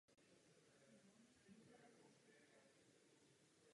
Každý ví, že pro členské státy představuje energetika obrovskou výzvu.